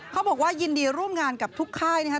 เขาบอกว่ายินดีร่วมงานกับทุกค่ายนะครับ